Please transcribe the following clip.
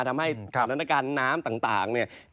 ทำให้สถานการณ์น้ำต่างเนี่ย